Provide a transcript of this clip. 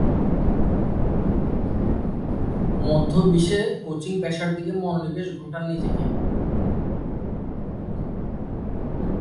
মধ্য-বিশে coaching পেশার দিকে মনোনিবেশ ঘটান নিজেকে।